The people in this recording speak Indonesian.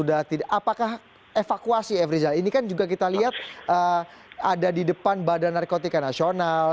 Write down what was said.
apakah evakuasi f rizal ini kan juga kita lihat ada di depan badan narkotika nasional